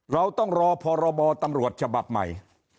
เราต้องรอพรบตำรวจฉบับใหม่